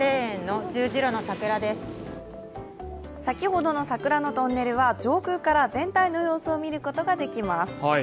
先ほどの桜のトンネルは、上空から全体の様子を見ることができます。